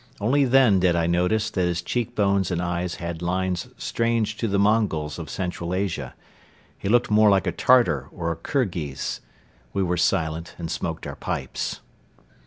Only then did I notice that his cheekbones and eyes had lines strange to the Mongols of Central Asia. He looked more like a Tartar or a Kirghiz. We were silent and smoked our pipes.